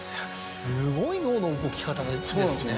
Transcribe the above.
すごい脳の動き方ですね。